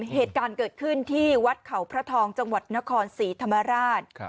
เหตุการณ์เกิดขึ้นที่วัดเขาพระทองจังหวัดนครศรีธรรมราช